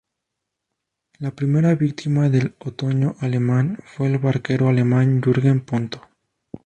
La primera víctima del Otoño alemán fue el banquero alemán Jürgen Ponto.